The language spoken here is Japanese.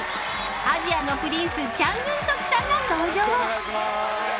アジアのプリンスチャン・グンソクさんが登場。